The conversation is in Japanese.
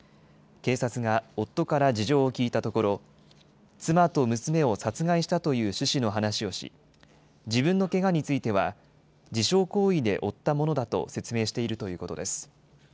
警察が夫から事情を聴いたところ、妻と娘を殺害したという趣旨の話をし、自分のけがについては、自傷行為で負ったものだと説明しているということです。